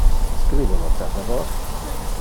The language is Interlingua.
Scribe lo, per favor